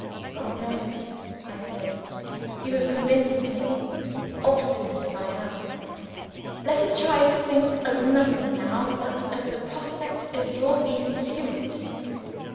"God knows," I said, "you have convinced me obstinate as I am. Let us try to think of nothing now but of the prospect of your being cured.